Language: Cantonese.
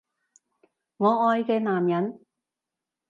我愛嘅男人